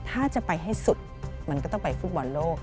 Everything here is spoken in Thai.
ถ้าจะไปให้สุดมันก็ต้องไปฟุตบอลโลก